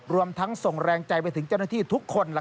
รวมทั้งส่งแรงใจไปถึงเจ้าหน้าที่ทุกคน